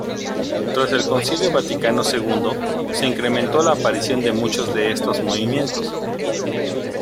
Tras el Concilio Vaticano Segundo se incrementó la aparición de muchos de estos movimientos.